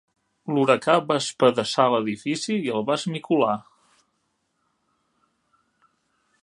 L'huracà va espedaçar l'edifici i el va esmicolar.